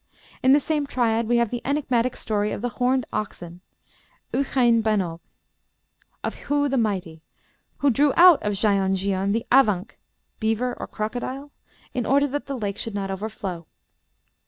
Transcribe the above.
In the same triad we have the enigmatic story of the horned oxen (ychain banog) of Hu the mighty, who drew out of Llyon llion the avanc (beaver or crocodile?), in order that the lake should not overflow.